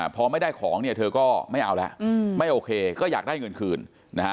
พอไม่ได้ของเนี่ยเธอก็ไม่เอาแล้วไม่โอเคก็อยากได้เงินคืนนะฮะ